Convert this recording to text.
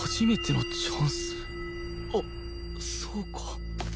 あそうか。